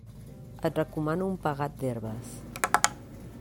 Et recomano un pegat d'herbes.